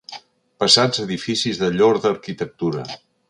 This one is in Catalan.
Pesats edificis de llorda arquitectura